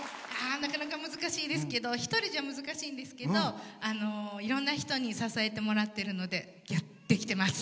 なかなか難しいですけど一人じゃ難しいんですけどいろんな人に支えてもらっているのでやってきてます。